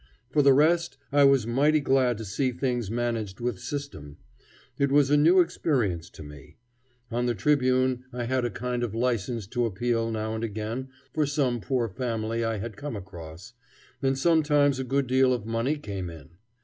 For the rest, I was mighty glad to see things managed with system. It was a new experience to me. On the Tribune I had a kind of license to appeal now and again for some poor family I had come across, and sometimes a good deal of money came in.